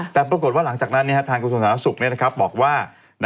แต่ปรากฏว่าหลังจากนั้นทางกระทรวงสาธารณสุขบอกว่า